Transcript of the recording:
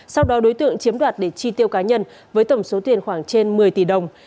sau đó đối tượng chiếm đoạt để chi tiêu cá nhân với tổng số tiền khoảng trên một mươi tỷ đồng